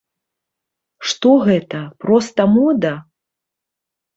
Што гэта, проста мода?